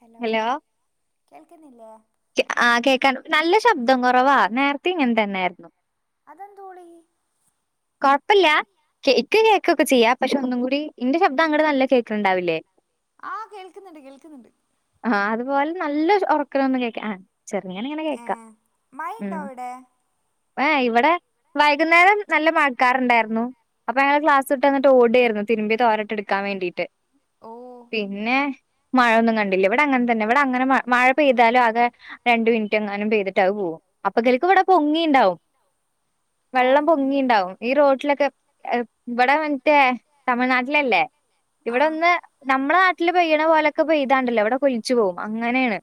Hello കേൾക്കണി ആ കേക്കാൻ നല്ല ശബ്ദം കൊ റവാ നേരത്തേം ഇങ്ങനെ തന്നെയായ്ര്ന്നു അതെന്തോളി കൊഴപ്പില്ല ശരിക്ക് കേക്ക ക്കൊക്കെ ചെയ്യാ പക്ഷെ ഒന്നും കൂടി ഇന്റെ ശബ്ദം അങ്ങട് നല്ല കേൾക്ക്ണ് ണ്ടാവില്ലേ ആഹകേൾക്കുന്ന്ണ്ട് കേൾക്കുന്ന്ണ്ട് ആ അതുപോലെ നല്ല ഉറക്കെനെന്ന് കേക്ക ആ ചെറ്ങ്ങനെങ്ങനെ ഏ കേക്കാം മഴ ഉം ഉണ്ടോ അവിടെ വേ ഇവിടെ വൈകുന്നേരം നല്ല മഴക്കാറുണ്ടായ്ര്ന്നു അപ്പ ഞാൻ ക്ലാസ് വിട്ടെന്ന്ട്ട് ഓടായിര്ന്നു തിരുമ്പി തോരട്ടെടുക്കാൻ വേണ്ടീട്ട് ഓ പിന്നെ മഴൊന്നും കണ്ടില്ല ഇവിടെ അങ്ങനെ തന്നെ ഇവിടെ അങ്ങനെ മ മഴ പെയ്താലും അത് രണ്ട് മിനിറ്റെങ്ങാനും പെയ്തിട്ട് അത് പോകും അപ്പകൽക്ക് ഇവിടെ പൊങ്ങീണ്ടാവും ഓ ഉണ്ടാവും ഈ റോഡിലൊക്കെ ഇവിടെ മറ്റേ തമിഴ്നാട്ടിലല്ലേ ആ ഇവിടൊന്ന് നമ്മുടെ നാട്ടില് പെയ്യണ പോലൊക്കെ പെയ്താണ്ടല്ലോ ഇവിടൊക്കൊലിച്ചു പോകും അങ്ങനേണ്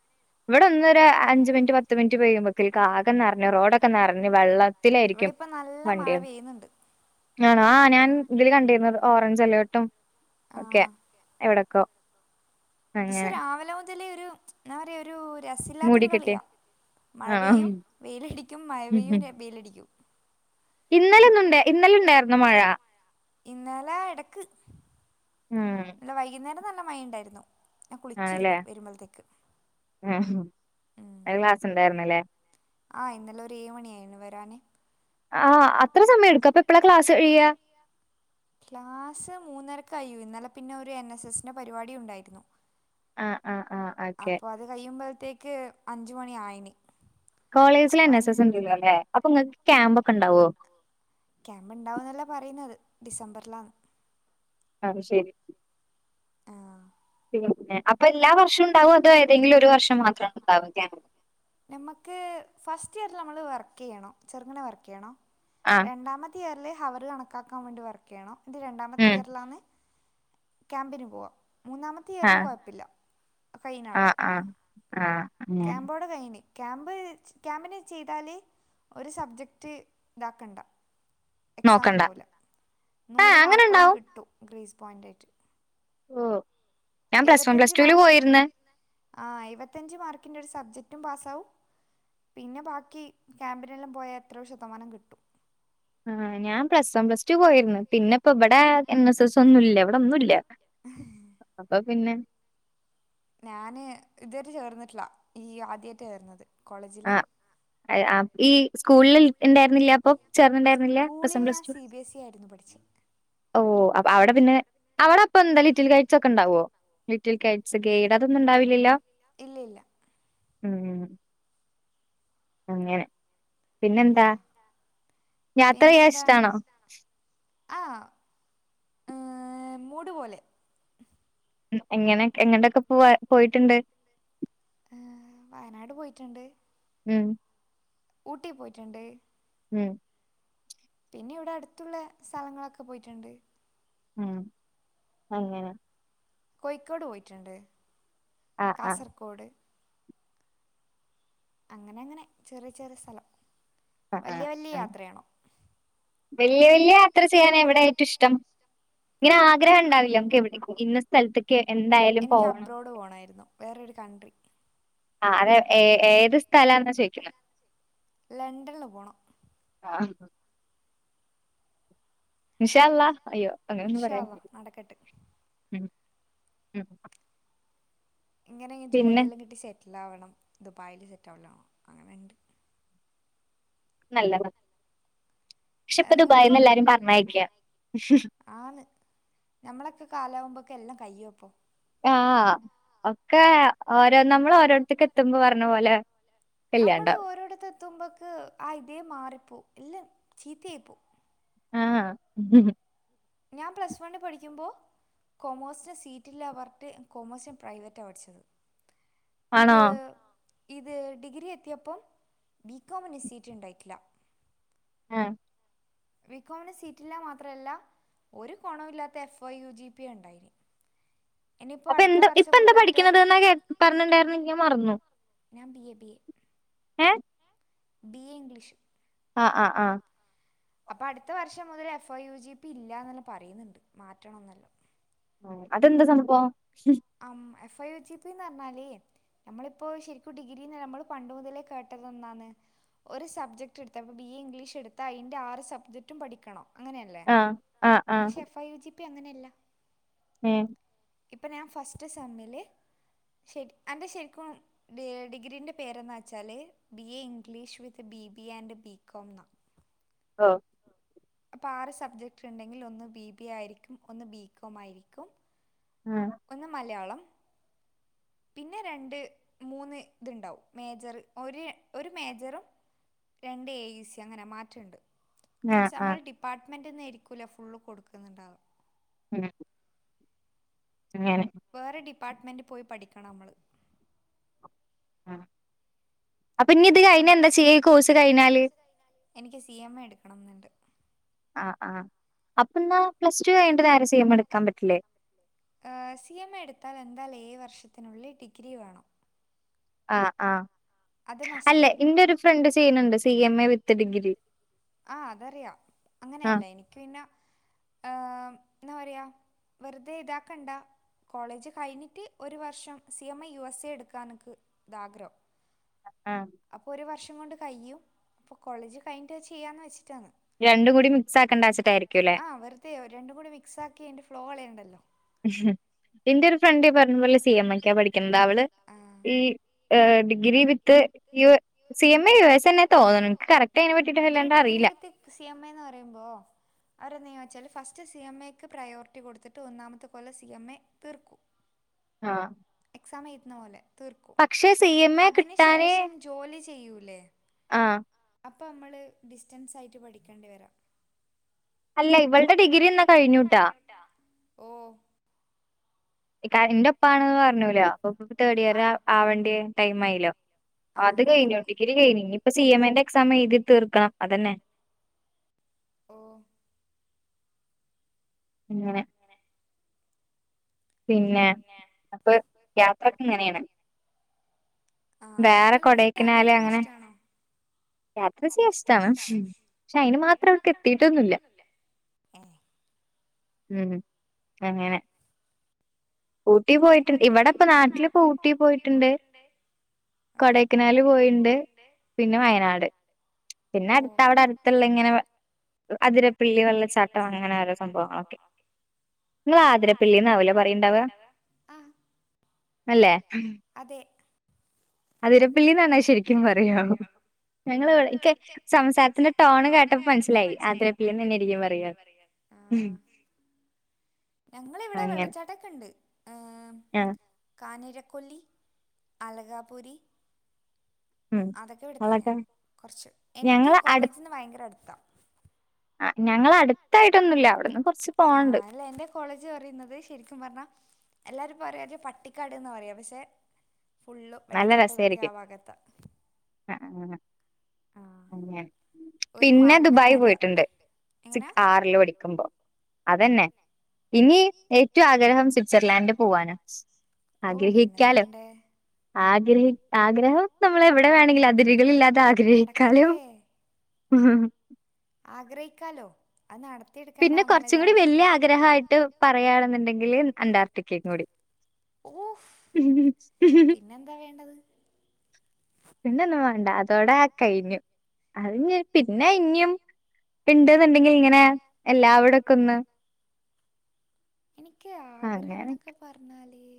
ഇവിടൊന്നൊര് അഞ്ചു മിനിറ്റ് പത്ത് മിനിറ്റ് പെയ്യുമ്പോത്തേക്ക് ആകെ നെറ്ഞ്ഞ് റോഡൊക്കെ നെറ്ഞ്ഞ് വെള്ളം ഇവിടെ ത്തിലായിരിക്കും ഇപ്പം നല്ല മഴ പെയ്യുന്നുണ്ട് ആണോ ആ ഞാൻ ഇതില് കണ്ടിരുന്നത് ഓറഞ്ച് അലേർട്ടും ആ ഒക്കെ എവിടൊക്കോ പക്ഷെ രാവിലെ മുതലേ ഒരു എന്താ പറയാ ഒരു രസമില്ലാത്തൊരു മൂടിക്കെട്ടി കളിയാ മഴ ആണോ പെയ്യും വെയിലടിക്കും മഴ പെയ്യും വെയിലടിക്കും ഇന്നല ഇന്നുണ്ട് ഇന്നലണ്ടായിരുന്നു മഴ ഇന്നലെ ഇടക്ക് ഉം ഇന്നലെ വൈകുന്നേരം നല്ല മഴണ്ടായിരുന്നു ആണല്ലേ ഉംഹ് ഉം അ ക്ലാസ്ണ്ടായിര്ന്നല്ലേ ആ ഇന്നലെ ഒരു ഏയുമണി ആയിരുന്നു വരാന് ആ അത്ര സമയം എടുക്കൊ അപ്പൊ എപ്പളാ ക്ലാസ്സു കഴ്യാ ക്ലാസ്സ് മൂന്നരക്ക് അയ്യോ ഇന്നലെ പിന്നെ ഒരു എൻ എസ് എസിന്റെ പരിപാടി ഉണ്ടായിരുന്നു ആഹ് ആഹ് ആഹ് ഓക്കെ അപ്പൊ അത് കഴിയുമ്പോഴത്തേക്ക് അഞ്ചു മണി ആയിന് കോളേജിലെ അപ്പം എൻ എസ് അഞ്ച് എസ് ഉണ്ട് അല്ലേ അപ്പൊ ഇങ്ങക്ക് ക്യാമ്പ ഒക്കെ ഉണ്ടാവോ ക്യാമ്പ് ഇണ്ടാവന്നല്ല പറയുന്നത് ഡിസംബറിലാണ് അതു ശെരി [inaudible] ആ അപ്പൊ എല്ലാ വർഷം ഉണ്ടാവോ അതോ ഏതെങ്കിലും ഒരു വർഷം മാത്രണോ ഉണ്ടാവ ക്യാപ് നമുക്ക് ഫസ്റ്റ് ഇയറിൽ നമ്മള് വർക്ക് ചെയ്യണോ ചെറുങ്ങനെ വർക്ക് ചെയ്യണോ ആഹ് രണ്ടാമത്തെ ഇയറില് ഹവർ കണക്കാക്കാൻ വേണ്ടി വർക്കയ്യണം ഇത് രണ്ടാമത്തെ ഉം ഇയറിലാന്ന് [inaudible] ക്യാമ്പിന് പോവാ മൂന്നാമത്തെ ഇയറിൽ ആഹ് കൊഴപ്പില്ലാ [inaudible] ഫൈനഅവിടെ ആഹ് ആഹ് ആഹ് അങ്ങനെ ക്യാമ്പോടെ കൈഞ്ഞ് ക്യാമ്പ് ക്യാമ്പിന് ചെയ്താല് ഒരു സബ്ജക്ട് ഇതാക്കണ്ട എക്സാം നോക്കണ്ട ഇണ്ടാവൂല്ല ആഹ് നൂറു അങ്ങനെ മാർക്കോളം കിട്ടും ഗ്രേസ് പോയിന്റായിട്ട് ഓആഉ എഴുവത്തഞ്ച് മാർക്കിനു [unintelligible] ആ എഴുപത്തഞ്ച് മാർക്കിന്റെ ഒരു സബ്ജക്ട് ക്റ്റും പാസ്സാവും പിന്നെ ബാക്കി ക്യാമ്പിനെല്ലാം പോയാ എത്രയോ ശതമാനം കിട്ടും ആഹ് ഞാൻ പ്ലസ് വൺ പ്ലസ് ടു പോയിരുന്നു. പിന്നെ ഇപ്പ ഇബടെ എൻ എസ് എസ് ഒന്നൂല്ല ഇവിടെ ഒന്നുംല്ല [unintelligible] പിന്നെ ഞാന് ഇതുവരെ ചേർന്നിട്ടില്ല ഈ ആദ്യായിട്ട ചേരുന്നത് ആആഹഈ സ്കൂളിൽ ഇണ്ടായിരുന്നില്ല അപ്പൊ ചേർന്നുണ്ടായിരുന്നില്ല പ്ലസ് സ്കൂളിൽ വൺ പ്ലസ് ഞാൻ two C B S E ആയിരുന്നു പഠിച്ചത് ഓ അ അവിടെ പിന്നെ അവിടെ അപ്പൊ എന്താ ലിറ്റിൽ കൈച്ചോ ഒക്കെ ഇണ്ടാവോ ലിറ്റിൽ കൈറ്റ്സ് ഗൈഡ് അതൊന്നും ഉണ്ടാവില്ലല്ലോ ഇല്ലി ഇല്ല ഉം അങ്ങനെ പിന്നെന്താ. യാ യാത്ര ചെയ്യാ ഇഷ്ട്ടാണോ ആഹ് ആ മൂടു പോലെ എങ്ങനെ എങ്ങട്ടക്കെ പോവ പോയിട്ടുണ്ട് ആ വയനാട് പോയിട്ടുണ്ട് ഉം ഊട്ടി പോയിട്ട്ണ്ട് മ് പിന്നെ ഇവിടെ അടുത്തുള്ള സ്ഥലങ്ങളൊക്കെ പോയിട്ടുണ്ട് ഉം അങ്ങനെ കോഴിക്കോട് പോയിട്ട്ണ്ട് ആഹ് ആഹ് കാസർഗോഡ് അങ്ങനെ നങ്ങനെ ചെറിയ ചെറിയ സ്ഥലം ആഹ് വല്ല്യവല്യ യാത്രയാണോ വെല്ലൃ വല്ലൃ യാത്ര ചെയ്യാനെവിടെയാ ഏറ്റവും ഇഷ്ട്ടം ഇങ്ങനെ ആഗ്രഹം ഇണ്ടാവില്ലേ നമുക്ക് എവിടെങ്കിലും ഇന്ന സ്ഥലത്ത് എനിക്ക് അബ്രോഡ് പോണായിരുന്നു വേറൊരു കൺട്രി ആ അതെ ഏ ഏത് സ്ഥലാന്നാ ചോയിക്കണെ? ലണ്ടൺല് പോണം ആഹ് ഇൻശാഅല്ലാഹ് അയ്യോ അങ്ങനെ ഒന്നും ഇൻഷാ പറയാൻ അള്ളാ നടക്കട്ടെ ഉം ഉം ഇങ്ങനെ ഈ പിന്നെ ജോലിയെല്ലാം കിട്ടി സെറ്റിൽ ആവണം ദുബായില് സെറ്റിലാവണം അങ്ങനെണ്ട് നല്ലതാ പക്ഷെ ഇപ്പൊ നിങ്ങൾക്കോ? ദുബായിന്ന് എല്ലാരും പറഞ്ഞയക്കാ ആന്ന് ഞമ്മളെക്കെ കാലാവുമ്പോ ക്കെല്ലാം കയ്യും അപ്പോ ആഹ് ഒക്കെ ഓരോ നമ്മൾ ഓരോട്ത്ത്ക്ക് എത്തുംന്ന് പറഞ്ഞ പോലെ നമ്മള് കല്യാണണ്ടാവും ഓരോടത്ത് എത്തുമ്പോക്ക് ആ ഇതേ മാറിപ്പോവും ഇല്ലേ ചീത്തിയായി പോവും ആഹ് ഹ് ഹ് ഞാൻ പ്ലസ് വണ്ണി പഠിക്കുമ്പോ കൊമോഴ്സിന് സീറ്റില്ലാപറഞ്ട്ട് കൊമഴ്സ് ഞാൻ പ്രൈവറ്റാ പഠിച്ചത് ഇത് ആണോ ഉ... ഇത് ഡിഗ്രി എത്തിയപ്പം ബീകോമിന് സീറ്റ് ഉണ്ടായിക്കില്ല. ഏ... ബീക്കോമിന് സീറ്റില്ലാ മാത്രല്ല ഒരു കൊണല്ലാത്ത F I U G P യാ ണ്ടായത്. [inaudible] അപ്പൊ എന്താ ഇപ്പ എന്താ പഠിക്കണതെന്നാ കേ പറഞ്ഞിണ്ടായിരുന്നെ ങ്കി ഞാൻ മറന്നു ഞാൻ ബി എ ബി എ ഏ ബി എ ഇംഗ്ലീഷ് ആ ആ ആ അപ്പൊ അടുത്ത വർഷം മുതൽ F I U G P ഇല്ല എന്നെല്ലാം പറയുന്നുണ്ട്. മാറ്റണം ന്നല്ല ആ അതെന്താ സംഭവം? അം എ F I U G P എന്നുറഞ്ഞാല് ഞമ്മളിപ്പോ ശരിക്കും ഡിഗ്രീ നമ്മള് പണ്ട് മുതലേ കേട്ടതെന്താന്ന് ഒരു സബ്ജക്ട് എടുത്ത അപ്പം ബി എ ഇംഗ്ലീഷ് എടുത്താ അതിന്റെ ആറു സബ്ജക്ടും പഠിക്കണം അങ്ങനെയല്ലേ..? ആഹ് ആഹ് പക്ഷെ F I U G P അങ്ങനെയല്ല ഏ ഇപ്പൊ ഞാൻ ഫസ്റ്റ് സെമ്മില് ശരി അന്റെ ശരിക്കും ഏ ഡിഗ്രീന്റെ പേരെന്നാന്ന്വെച്ചാല് B A English with B B A and BCom ന്നാ ഓ അപ്പ ആറ് സബ്ജക്ട് ഉണ്ടെങ്കിൽ ഒന്ന് ബി ബി ആയിരിക്കും ഒന്ന് ബികോം ആയിരിക്കും ആഹ് ഒന്ന് മലയാളം പിന്നെ രണ്ട് മൂന്ന് ത്ണ്ടാവും മേജർ ഒരു ഒരു മേജറും രണ്ട് ഏ ഇ സി അങ്ങനെ മാറ്റണ്ട്. ആഹ് മീൻസ് ആഹ് നമ്മള് ഡിപ്പാർട്ട്മെന്റിന്ന് ഏയിരിക്കൂല ഫുള്ള് കൊടുക്ക്ന്നുണ്ടാവ ഉം [inaudible] വേറെ ഡിപ്പാർ്മെന്റ് പോയി പഠിക്കണ മ്മള് അപ്പൊ ഇഞ്ഞി ത് അപ്പം കഴിഞ്ഞ ന്താ ചെയ്യാ. ഈ കോഴ്സ് കഴിഞ്ഞാല്? എനിക്ക് സി എം എ എടുക്കണംന്ന്ണ്ട് ആ ആ അപ്പൊ ന്നാ പ്ലസ് ടു കഴിഞ്ഞിട്ട് നേരെ സി എം എ എടുക്കാൻ പറ്റില്ലേ ഏ.. സി എം എടുത്താല് എന്താലും ഏഴു വർഷത്തിനുള്ളില് ഡിഗ്രി വേണം. ആ ആ അത് അല്ലെ മസ്റ്റാണ് എന്റെ ഒരു ഫ്രണ്ട് ചെയ്യുന്നുണ്ട് C M A with degree ആ അതറിയാം. ആഹ് അങ്ങനെയല്ലേ എനിക്ക് പിന്നെ ഏ മ് ന്നാ പറയാ വെറുതെ ഇതാക്കണ്ട കോളേജ് കഴിഞ്ഞിട്ട് ഒരു വർഷം C M A US A എടുക്കാനക്ക് ന്ത ആഗ്രഹം ആഹ് അപ്പൊ ഒരു വർഷം കൊണ്ട് കയ്യും അപ്പ കോളേജ് കഴിഞ്ഞിട്ട് അത് ചെയ്യാന്ന് ച്ച് ച്ചിട്ടാണ്. രണ്ടും കൂടി മിക്സ് ആക്കണ്ടാച്ചിട്ടായിരിക്കുംല്ലേ ആ വെറുതെ രണ്ടും കൂടെ മിക്സ് ആക്കി അതിന്റെ ഫ്ലോ കളയ ഉം ഹ് എൻ്റെ ഒരു ഫ്രണ്ട് ഈപറഞ്ഞ പോലെ സി എം എ ക്കാ പഠിക്കണത് അവള് ആഹ് ഈ degree with U C M A സ യു എന്നെ ആ തോന്നുന്നു എനിക്ക് കറക്റ്റ് അതിനെ പറ്റിട്ട് ഈ വല്ലാണ്ട് ഡിഗ്രി അറിയില്ല വിത്ത് സി എം എന്ന് പറയുമ്പോ അ ഫസ്റ്റ് സി എം എക്ക് പ്രയോറിറ്റി കൊടുത്തിട്ട് ഒന്നാമത്തെ കൊല്ലം സി എം എ തീർക്കും. ആഹ് [unintelligible] തീർക്കും. പക്ഷെ സി എം എ അതിനു ശേഷം ജോലി ചെയ്യൂലേ ആ അപ്പോ അമ്മള് ഡിസ്റ്റൻസ് ആയിട്ട് പഠിക്കേണ്ടി വരാ അല്ല ഇവളുടെ ഡിഗ്രിന്നാ കഴിഞ്ഞൂട്ടാ. ഓ [unintelligible] ന്റെ ഒപ്പാണെന്ന് പറഞ്ഞൂലോ അപ്പൊ തേർഡ് ഇയർ ആഹ് ആവേണ്ടിയെ ടൈം ആയീലോ ആഹ് അത് അങ്ങനെ കഴിഞ്ഞു ഡിഗ്രി കഴിഞ്ഞു. ഇനിയി പ്പെ സി എം ഇന്റെ എക്സാം എഴുതി തീർക്കണം അതന്നെ. ഓ ഇങ്ങനെ പിന്നെ അപ്പള് യാത്രക്കെ ഇങ്ങനേണ് ആഹ് വേറെ നിങ്ങൾക്ക് യാത്ര കൊടേക്കനാല് ചെയ്യാൻ അങ്ങനെ ഇഷ്ടാണോ യാത്ര ചെയ്യാഷ്ടാണ് പക്ഷേ അയിന് മാത്രം എത്തിട്ടൊന്നുല്ല ങ്‌ ഹേ ഉം അങ്ങനെ ഊട്ടി പോയിട്ട് ഇവിടെപ്പം നാട്ടില് പ്പം ഉട്ടിപോയിട്ടുണ്ട് ആഹ് കോടേക്കനാൽ പോയീണ്ട് പിന്നെ വയനാട് പിന്നെ ഓ അടുത്ത അവിടെ അടുത്തുള്ള ങ്ങനെ അതിരപ്പള്ളി വെള്ളച്ചാട്ടം ങ്ങനെ ഓരോ സംഭവങ്ങളൊക്കെ നിങ്ങള് ങ്ങള് ആതിരപ്പള്ളി ആതിരപ്പിള്ളിന്നാവൂലേ ന്നാവുല്ലേ പറയ്ണ്ടാവ പറീണ്ടാവാ അല്ലെ മ്ഹും [inaudible] അതിരപ്പള്ളി ന്നാണ് ശരിക്കും പറയാ ഓ ഞങ്ങൾ ഇവി ക്ക് സംസാരത്തിന്റെ ടോൺ കേട്ടപ്പോ മ ൻസിലായി ആതിര അതിരപ്പള്ളിന്നായിരിക്കും ആ ഞങ്ങളെ ഇവിടെ അങ്ങനെ വെള്ളച്ചാട്ടംക്ക ണ്ട് ഏ ആഹ് കാഞ്ഞിര കൊല്ലി അലകാപൂരി ഉം അതൊക്കെ ഇവിടെ തന്നെ കൊറച്ച് എനിക്ക് ഞങ്ങള് കോളേജിന്ന് ഭയങ്കര അടു ങ്‌ ഞങ്ങളെ അടു അടുത്തായിട്ടൊന്നുല്ല അവിടുന്ന് കൊറച്ച് പോവാണ്ട് അല്ല എന്റെ കോളേജ് പറയുന്നത് ശരിക്കും പറഞ്ഞ. എല്ലാരും പറയാത് പട്ടിക്കാട് ന്നാ പറയ പക്ഷേ ഫുള്ള് നല്ല വെള്ളച്ചാട്ടം തൊക്കെ ആ രസായിരിക്കും ഭാഗത്ത ആ അങ്ങനെ [inaudible] ഒരു പിന്നെ മലന്റെ ദുബായി മേലെയാ പോയിട്ടുണ്ട് എങ്ങനാ സിക് ആറിൽ പഠിക്കുമ്പോ അതെന്നെ ഇനി ഏറ്റവും ആഗ്രഹം സിറ്റിർലൻഡിൽ പോവാനാ ഓ പിന്നെന്നാ ആഗ്രഹിക്കാലോ വേണ്ടെ ആഗ്രഹി ആഗ്രഹം നമ്മള് എവിടെ വേണേലുംഅതിരുകളില്ലാതെ ആഗ്രഹിക്കാല്ലോ നടക്കട്ടെ ഉ ഹ് ഹും ആഗ്രഹിക്കാലോ അത് നടത്തിയെടുക്കേണ്ടത് നമ്മളല്ലേ ആവശ്യം വല്യ ആഗ്രഹയിട്ട് പറയാണ് ന്ന്ണ്ടെങ്കിൽ അന്റാർട്ടിക്കെ കൂടി ഓഫ് പിന്നെന്താ വേണ്ടത് പിന്നെന്നും വേണ്ട അതോടെ കഴിഞ്ഞു അത് ഞ് പിന്നെ ഞ് ഉം ണ്ട് ന്ന് ണ്ടങ്കിൽ ഇങ്ങനെ എല്ലാവടൊക്കെ ഒന്ന് എനിക് അങ്ങനെ ആഗ്രഹന്നക്കെ പറഞ്ഞാൽ ഈ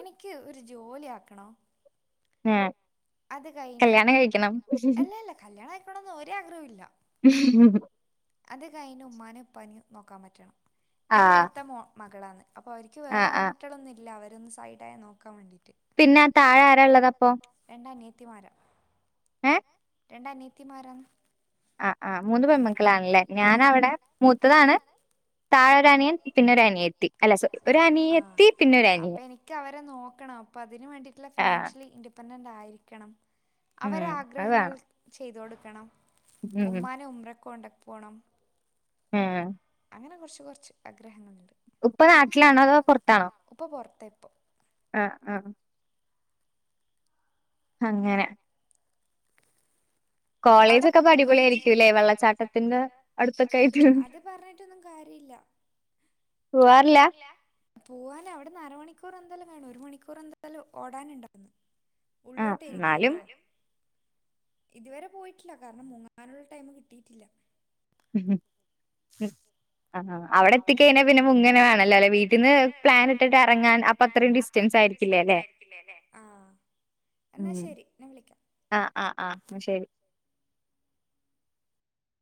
എനിക്ക് ഒരു ജോലി ആക്കണം ഉം അത് കയിഞ്ഞ് കല്യയാണം കഴിക്കണം അല്ലല്ല കല്ല്യയാണം കഴിക്കണന്ന് ഒരാഗ്രഹും ഇല്ല ഉ ഹ് ഹും അത് കഴിഞ്ഞ് ഉമ്മാനിം ഉപ്പാനിം നോക്കാൻ പറ്റണം ഞാൻ ആഹ് മൂത്ത മോ മകളാണ് അപ്പം അവര്ക് ആ വേറെ ആ ആൺകുട്ടികളൊന്നും ഇല്ല അവരെ ന്ന് സൈഡായി നോക്കാൻ വേണ്ടി പിന്നെ അ തായേ ആരാ ള്ളത് അപ്പൊ രണ്ട് അനിയത്തിമാര ‌ ഹേ രണ്ടാനിയത്തിമാര. അ ആ മൂന്ന് പെണ്മക്കളാണല്ലേ? ഞാനവിടെ മൂ ത്തതാണ് തായെ ഒരനിയൻ പിന്നെ ഒരനിയതി. ആ അനിയൻ അപ്പം എനിക്കവരെ നോക്കണം. അതിന് വേണ്ടീട്ടുള്ള ആ ഫിനാൻശലി ഇരി ണ്ടാണ്ടായിരിക്കണം അവരെ ഉം അത് ആഗ്രഹങ്ങൾ വേണം ചെയ്ത് കൊടുക്കണം. ഉം ഉമ്മാനെ ഉംറക്ക് കൊണ്ട പോണം. ഉം ഇങ്ങനെ കുറച്ച് കുറച്ച് ആഗ്രഹങ്ങളുണ്ട്. ഇപ്പൊ നാട്ടിലാണോ അതോ പുറത്താണോ? ഉപ്പ പുറത്താ ഇപ്പൊ ആഹ് ആഹ് അങ്ങനെ. കോളേജൊക്കെ [unintelligible] ഇപ്പൊ അടിപൊളിയായിരിക്കൂല്ലേ വെള്ളച്ചാട്ടത്തിന്റെ അടുത്തൊക്കെ ആയിട്ട് അത് പറഞ്ഞിട്ടൊന്നും കാര്യമില്ല ഇല്ല പൂവാറില്ല. പോവാല അവിടുന്ന് അര മണിക്കൂർ എന്തായാലും വേണം. ഒരു മണിക്കൂർ എന്തായാലും ഓടാനുണ്ടാന് ഉണ്ടാകും. ആ ഉള്ളോട്ട് ഇരിക്കും എന്നാലും അല്ലേ. ഇതുവരെ പോയി ഇല്ല, കാരണം മുങ്ങാനുള്ള ടൈം കിട്ടിയിട്ടില്ല. ഉം ഉം ആഹഹ അവിടെ എത്തിക്കഴിഞ്ഞാൽ പിന്നെ മുങ്ങനെവണല്ലോ. വീട്ടിൽ നിന്ന് പ്ലാനിട്ടിട്ട് ഇറങ്ങാൻ അപ്പം അത്രയും ഡിസ്റ്റൻസ് ആയിരിക്കില്ലേ? അല്ലെ? [unintelligible] ആ ഉം എന്നാൽ ശരി ഞാൻ വിളിക്കാം ആഹ ആഹ ആഹ ശരി.